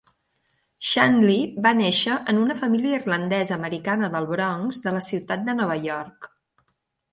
Shanley va néixer en una família irlandesa-americana del Bronx, de la ciutat de Nova York.